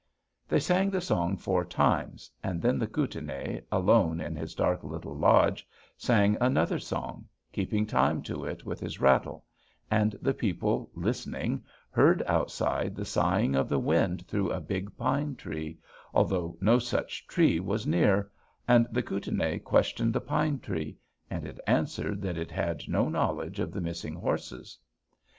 "They sang the song four times, and then the Kootenai, alone in his dark little lodge, sang another song, keeping time to it with his rattle, and the people, listening, heard outside the sighing of the wind through a big pine tree, although no such tree was near; and the Kootenai questioned the pine tree, and it answered that it had no knowledge of the missing horses.